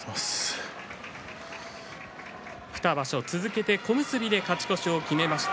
２場所連続の小結で勝ち越しを決めました